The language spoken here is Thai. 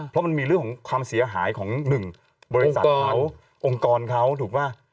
เพราะมันมีเรื่องของความเสียหายของหนึ่งบริษัทเขาองค์กรเขาถูกป่ะ